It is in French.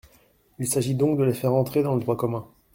Il s’agit donc de les faire entrer dans le droit commun.